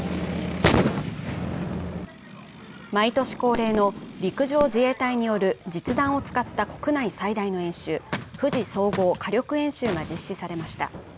毎年恒例の陸上自衛隊による実弾を使った国内最大の演習、富士総合火力演習が実施されました。